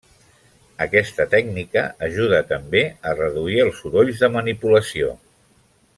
Aquesta tècnica ajuda també a reduir els sorolls de manipulació.